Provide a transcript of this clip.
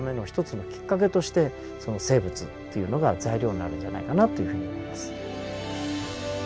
一つのきっかけとしてその生物というのが材料になるんじゃないかなというふうに思います。